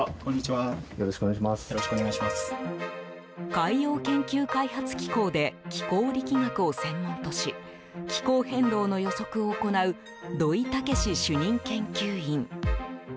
海洋研究開発機構で気候力学を専門とし気候変動の予測を行う土井威志主任研究員。